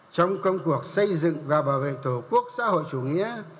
trong công cuộc xây dựng và bảo vệ tổ quốc xã hội chủ nghĩa